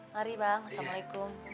mari bang assalamualaikum